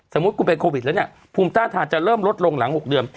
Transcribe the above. สมมุติคุณเป็นโควิดแล้วเนี่ยภูมิต้านทานจะเริ่มลดลงหลัง๖เดือน